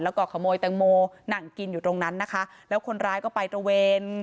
แล้วก็ขโมยแตงโมนั่งกินอยู่ตรงนั้นนะคะแล้วคนร้ายก็ไปตระเวน